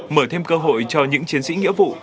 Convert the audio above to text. mở thêm cơ hội cho những chiến sĩ nghĩa vụ